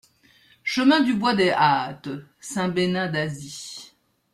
Chemin du Bois des Hâtes, Saint-Benin-d'Azy